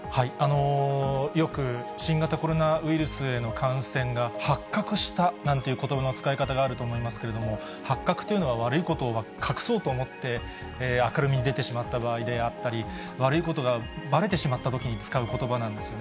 よく、新型コロナウイルスへの感染が発覚したなんていうことばの使い方があると思いますけれども、発覚というのは悪いことを隠そうと思って明るみに出てしまった場合であったり、悪いことがばれてしまったときに使うことばなんですね。